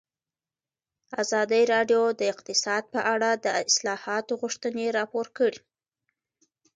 ازادي راډیو د اقتصاد په اړه د اصلاحاتو غوښتنې راپور کړې.